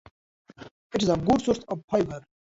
It is a good source of fiber.